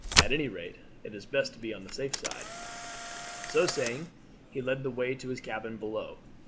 At anyrate it's best to be on the safe side." So saying he led the way to his cabin below.